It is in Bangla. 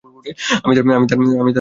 আমি তার নির্দেশ মেনে নিলাম।